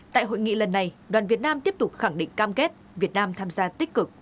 tại hội nghị lần này đoàn việt nam tiếp tục khẳng định cam kết việt nam tham gia tích cực